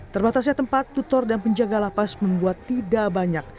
terbatasnya tempat tutor dan penjaga lapas membuat tidak banyak